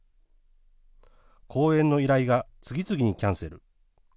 公演の依頼が次々にキャンセル。